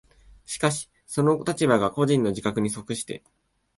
しかしその立場が個人の自覚に即して